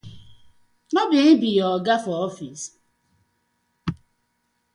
No bi him bi yu oga for office?